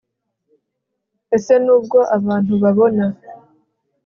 Ese nubwo abantu babona